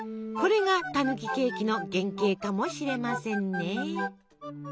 これがたぬきケーキの原型かもしれませんね。